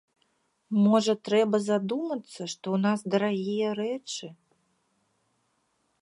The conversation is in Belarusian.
Можа трэба задумацца, што ў нас дарагія рэчы?